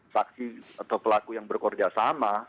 saksi atau pelaku yang bekerja sama